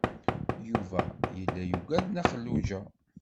Yuba yella yugad Nna Xelluǧa.